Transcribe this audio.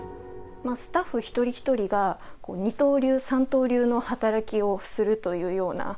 スタッフ一人一人が二刀流、三刀流の働きをするというような。